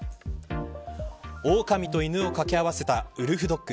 オオカミと犬を掛け合わせたウルフドッグ。